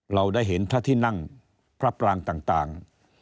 เราได้เห็นพระที่นั่งพระปรางต่าง